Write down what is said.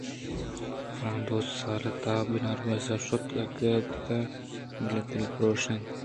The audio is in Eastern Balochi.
پُرّیں دوسال ءَ تاں بناربس شت ءُاتک بلئے آدلپرٛوش اَت